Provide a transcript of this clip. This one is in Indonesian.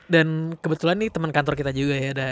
dan kebetulan nih temen kantor kita juga ya